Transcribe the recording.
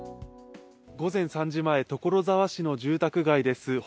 午前３時前所沢市の住宅街です。